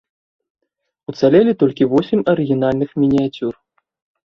Уцалелі толькі восем арыгінальных мініяцюр.